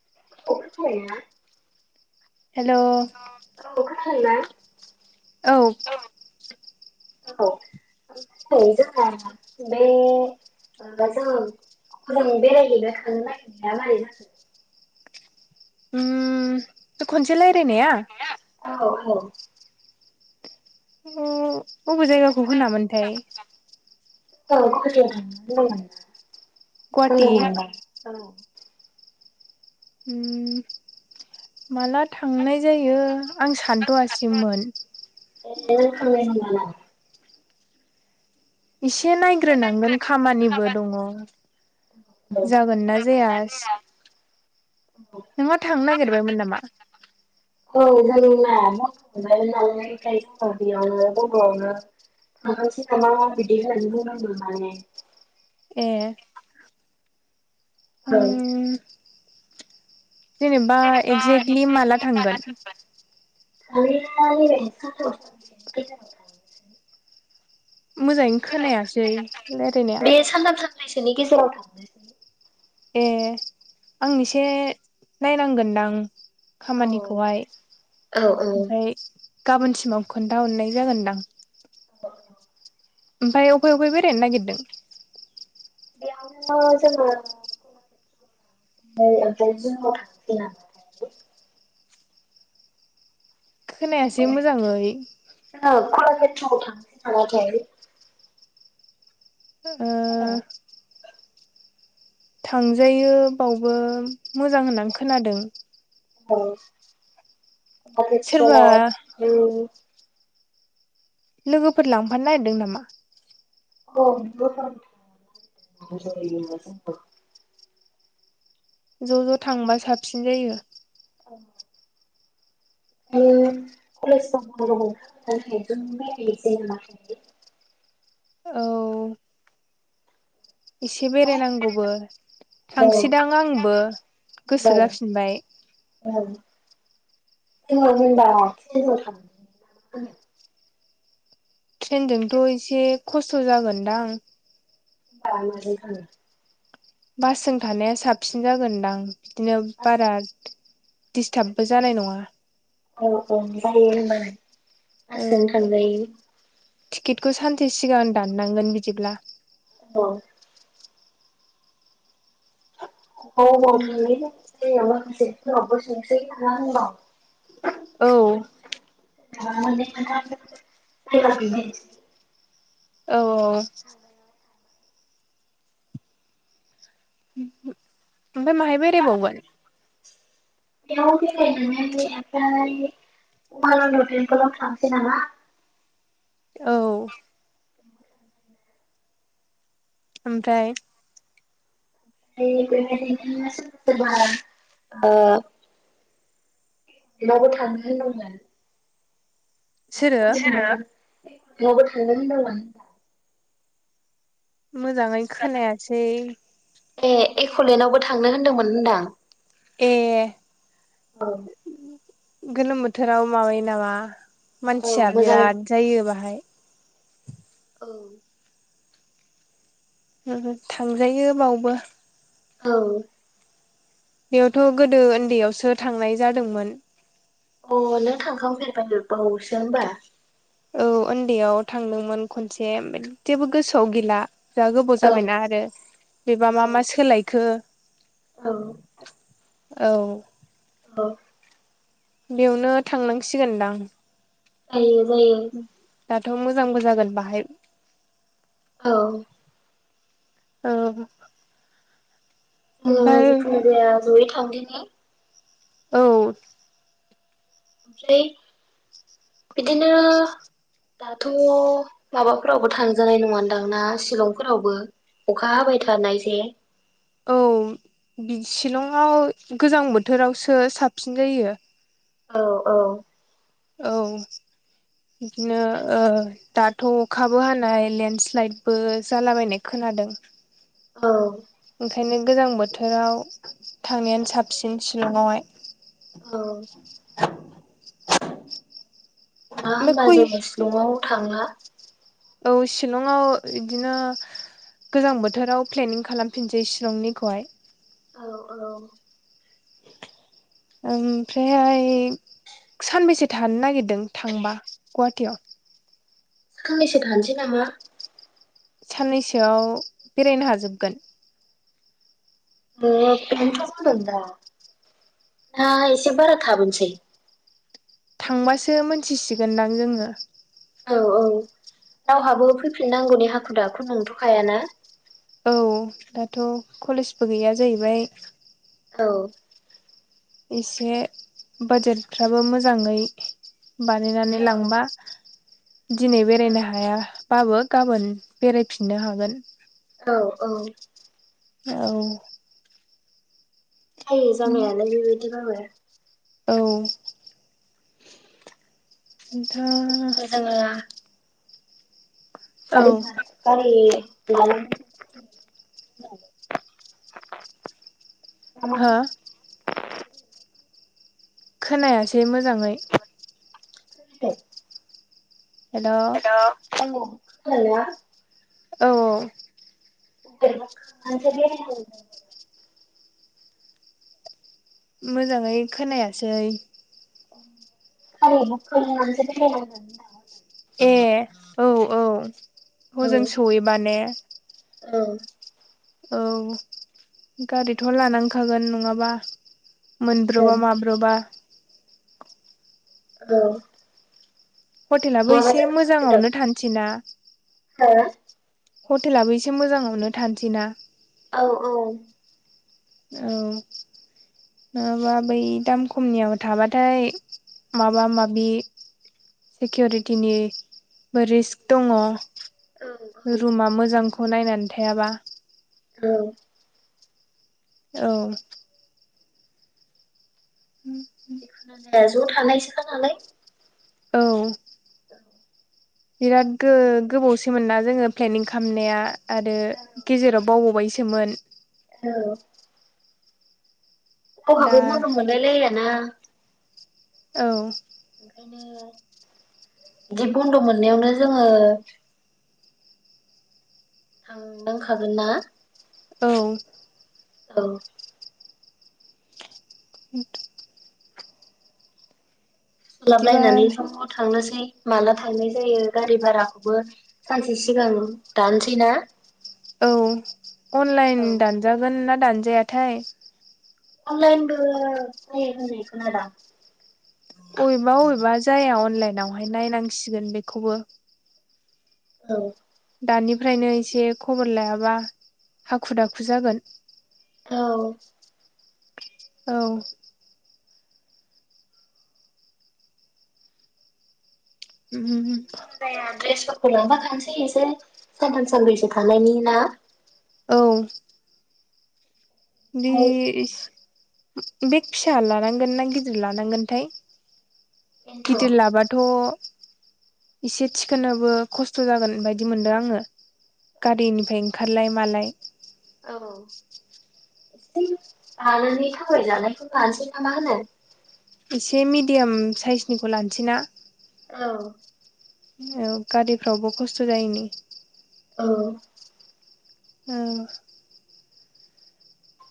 [inaudible] हेल' [inaudible] औ औ बे [inaudible] ओ जों हजों बेरायहैनो थांनो नागिरनाया मारै जाखो [inaudible] उम खनसे रायलायनाया औ औ बबे जायगाखौ होनामोनथाय औ गुवाहाटि [inaudible] उम माला थांनाय जायो आं सानथवासिमोन ए नों थांनाय नंला नामा एसे नायग्रोनांगोन खामानिबो दङ जागोन ना जाया? नोंहा थांनो नागिरबायमोन नामा? औ जोंना [inaudible] [inaudible] ए औ उम। जेनेबा एक्जेक्टलि माला थांगोन थांनायआ [inaudible] मोजाङैनो खोनायासै रायलायनाया नि गेजेराव थां ए आं एसे नायनांगोनदां। औ खामानिखौहाय औ ओमफाय गाबोनसिमाव खोन्थााहरनाय जागोनदां। [inaudible] ओमफाय अफाय अफाय बेरायनो नागिरदों। बेयावनो जोंङो। [inaudible] खोनायासै मोजाङै थांसै नामाथाय औ [inaudible] ओ हेल' थांजायो बावबो मोजां होननानै खोनादों। सोरबा औ [inaudible] लोगो [inaudible] ज ज थांबा साबसिन जायो। [inaudible] इसे बेराय नांगौबो औ औ थांसैदां आंबो गोसो जाफिनबाय औ ज होनबा थां [inaudible] ट्रेनजोंथ एसे खस्थ जागोनदां। [inaudible] बासजों थानाया साबसिन जागोनदां बिदिनो बास बारा। दिस्टाबो जानाय नङा। औ औ जायो होनबालाय बासजों औ थांजायो। टिकेटखौ सानसे सिगां दाननांगोन बिदिब्ला। औ। [inaudible] औ [unintelligible] औ औ औ। ओमफाय माहाय बेरायबावगोन। बेयाव बेरायहैनानै [unintelligible] उमानन्द तेमपोलाव थांसै नामा? औ ओमफ्राय। नै बे [unintelligible] बारा ओ एकलेनदआवबो थांनो होनदोंंमोन। सोरो? एकलेनदआवबो थांनो होनदोंमोन होनदां मोजाङै खोनायाखसै ए एक'लेण्डआवबो थांनो होनदोंमोन होनदां। ए औ गोलोम बोथोराव माबायो नामा औ मानसिया मोजां बिराद जायो बाहाय औ ओं थांजायो बावबो। औ बेयावथ' गोदो उन्दैयावसो थांनाय जादोंमोन। अ नों थांखांफेरबायबावसो होमबा? औ उन्दैयाव थांदोंमोन खनसे जेबो गोसोआव गैला। जा गोबाव औ जाबायना आरो बेबा औ मा मा सोलायखो औ औ औ। बेयावनो थांनांसिगोनदां। जायो जायो दाथ' मोजांबो जागोन बेहाय औ। औ। ओ जिखुनु जाया जयै थांदिनि। औ। ओमफ्राय बिदिनो। दाथ' माबाफोरावबो थांजानाय नङा ननदां ना शिलंफोरावबो? अखा हाबाय थानाय जे, बे शिलंआव गोजां बोथोरावसो साबसिन जायो, औ औ। औ। बिदिनो ओ दाथ' अखाबो हानाय लेन्डस्लाइदबो जालाबायनाय खोना। नादों औ ओंखायनो गोजां बोथोराव थांनायानो साबसिन शिलंआवहाय औ। दा होनबा ओमफ्राय जोङो शिलंआव थांला। औ शिलंआव बिदिनो, गोजां बोथोराव प्लेनिं खालामफिनसै शिलंनिखौहाय। औ औ। ओमफ्रायहाय, सानबेसे थानो नागिरदों थांबा गुवाहाटियाव? साननैसो थानोसै नामा। साननैसोआव बेरायनो हाजोबगोन? [unintelligible] हा एसे बारा थाबोनसै? थांबासो मोनथिसिगोनदां जोङो। औ औ रावहाबो फैफिननांगौनि हाखु दाखु नोंथ'खायाना? औ दाथ' कलेजबो गैया जाहैबाय। औ, इसे बाजेटफ्राबो मोजाङै, बानायनानै लांबा दिनै बेरायनो हायाबाबो गाबोन बेरायफिननो हागोन औ औ औ जायो जानायायालाय बेबायदिबाबो औ जिखुनु जोङो [inaudible] औ [unintelligible] [unintelligible] हो खोनायासै मोजाङै [unintelligible] हेल' औ हेलौ [unintelligible] औ औ [unintelligible] मोजाङै खोनायासै [unintelligible] ए औ औ औ हजों सहैबा ने औ औ गारिथ' लानांखागोन नङाबा मोनब्रबा औ माब्रबा औ हटेलाबो एसे मोजाङावनो दाखु थानसै ना हटेलाबो एसे मोजाङावनो थानोसैना औ औ औ नोङाबा बै दाम खमनियाव थाबाथाय माबा माबि सिकिउरिटिनिबो रिस्क दङ औ रुमा मोजांखौ नायनानै थायाबा औ औ जिखुनु जाया ज' थानायसोखा नालाय औ बिराद गो-गोबावसि मोनना जोङो प्लेनिं खामनाया आरो गेजेराव बावबावबायसोमोन औ दा [unintelligible] मोजां मोनलायलायाना औ ओंखायनो बिदि बन्द' मोननायावनो जोंङो थांनांखागोन ना औ औ [inaudible] बिदिबा सोलाबलायनानै ज' थांनोसै माला थांनाय जायो गारि भाराखौबो सानसे सिगां दानोसै ना? औ अनलाइन औ दानजागोन ना दानजायाथाय? अनलाइनबो जायो होननाय खोनादां। अबेबा अबेबा जाया अनलाइनावहाय नायनांसिगोन बेखौबो। औ। दानिफ्रायनो एसे खबर लायाबा हाखु दाखु जागोन। औ। औ। [inaudible] फोर लांफाखानोसै एसे सानथाम सानब्रैसो थानायनि ना? औ। ओमफ्राय [unintelligible] बेग फिसा लानांगोन ना गिदिर लानांगोनथाय? बेनोथ' गिदिर लाबाथ' इसे थिखोनोबो खस्थ' जागोन बायदि मोनदो आङो। गारिनिफाय ओंखारलाय मालाय। औ। एसे लानानै थाबायजानायखौ लानोसै नामा होनो। एसे मिडियाम साइसनिखौ लानोसैना? औ। औ गारिफ्रावबो खस्थ' जायैनि। औ। औ।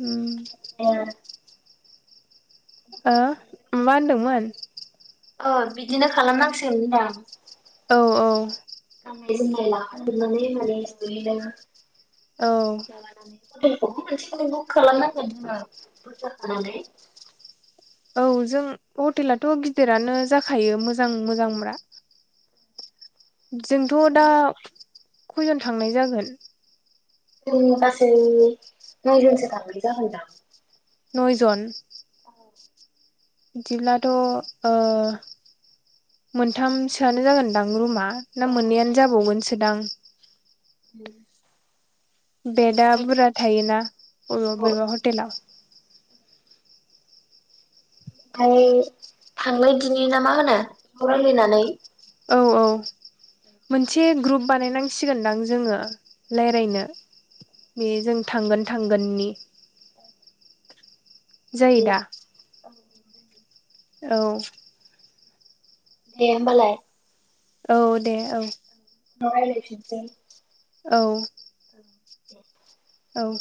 उम। [unintelligible] ओ मा होनदोंमोन? अह बिदिनो खालामनांसिगोन होनदां। औ औ। [unintelligible] हटेलखौबो औ मोनसेनो बुक खालामनांगोन जोङो बुरजा थानानै। औ जों हटेलाथ' गिदिरानो जाखायो मोजां मोजांब्रा। जोंथ' दा खयजन थांनाय जागोन? जोंनो गासै नयजनसो थांबाय जागोन दां। नयजन। बिदिब्लाथ' ओ मोनथामसोआनो जागोनदां रुमा। ना औ औ मोननैयानो जाबावगोनसोदां। [inaudible] बेदा बेबायदि बुरजा थायोना बबेब औ औ बबेबा हटेलाव। ओमफाय थांनायदिनि ना मा होनो ज रायलायनानै। औ औ। मोनसे ग्रुप बानायनांसिगोनदां जोङो रायलायनो। बे जों थांगोन थांगोननि। जायोदा? जायो। औ। दे होमबालाय। औ दे औ। उनाव रायलायफिनसै। औ। [inaudible] औ